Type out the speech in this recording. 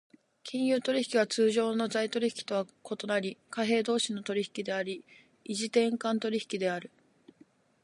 金融取引は通常の財取引と異なり、貨幣同士の取引であり、異時点間取引である。